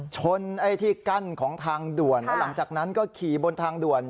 ชนไอ้ที่กั้นของทางด่วนแล้วหลังจากนั้นก็ขี่บนทางด่วน